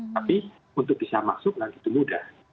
tapi untuk bisa masuk kan itu mudah